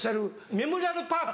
メモリアルパーク。